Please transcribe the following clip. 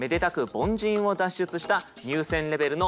凡人を脱出した入選レベルの脱ボンです。